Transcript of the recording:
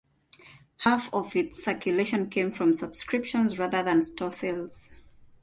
Half of its circulation came from subscriptions rather than store sales.